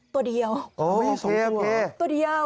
ตัวเดียวโอ้ย๒ตัว